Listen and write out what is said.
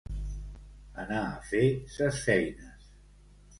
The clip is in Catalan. Anar a fer ses feines.